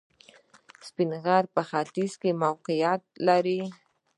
سپین غر په ختیځ کې موقعیت لري